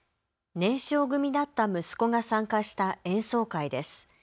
年少組だった息子が参加した演奏会です。